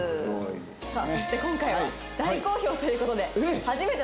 そして今回は大好評という事で。